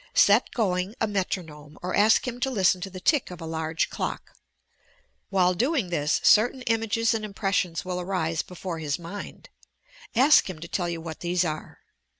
Set going a metronome or ask him to listen to the tick of a large clock. While doing this certain DREAMS 135 images and impressions will arise before his mind. Ask him to tell you what these are.